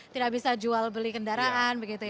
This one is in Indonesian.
tidak bisa jual beli kendaraan